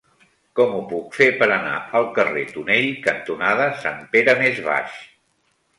Com ho puc fer per anar al carrer Tonell cantonada Sant Pere Més Baix?